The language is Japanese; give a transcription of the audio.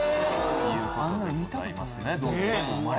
あんなの見たことない。